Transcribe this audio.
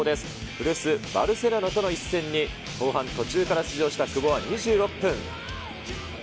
古巣バルセロナとの一戦に、後半途中から出場した久保は２６分。